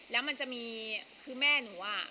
แล้วมันจะมีคือแม่หนูอะ